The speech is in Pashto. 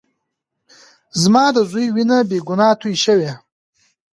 زما د زوى وينه بې ګناه تويې شوې.